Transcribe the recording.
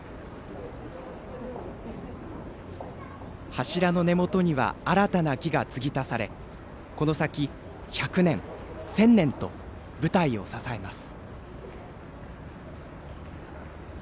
柱の根元には新たな木が継ぎ足されこの先１００年、１０００年と舞台を支えます。